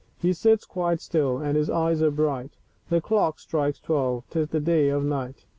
^ He sits quite still . Andhis ^^j are bright. The C/^c/^ strikes twelve ; Tisthe dead of Night.